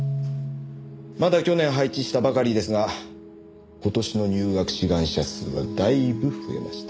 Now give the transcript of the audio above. まだ去年配置したばかりですが今年の入学志願者数はだいぶ増えました。